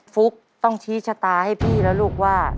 ฟุ๊กต้องชี้ชะตาให้พี่แล้วลูกว่า